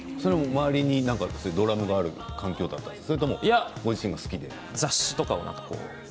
周りにドラムがある環境だったんですか。